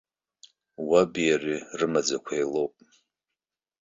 Уаби иареи рымаӡақәа еилоуп.